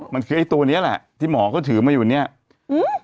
มันคือไอ้ตัวเนี้ยแหละที่หมอเขาถือมาอยู่เนี้ยอืม